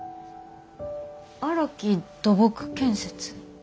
「荒木土木建設」。